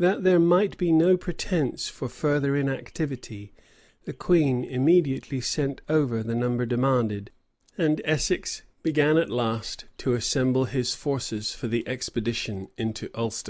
That there might be no pretence for further inactivity, the queen immediately sent over the number demanded;[] and Essex began at last to assemble his forces for the expedition into Ulster.